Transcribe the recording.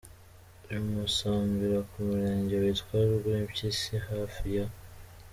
i Musambira ku murenge witwa Rwimpyisi hafi ya